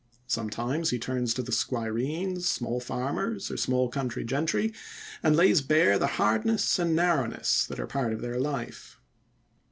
Sometimes he turns to the squireens, small farmers, or small country gentry, and lays bare the hardness and narrowness that are a part of their life.